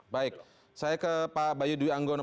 baik saya ke pak bayu duyanggono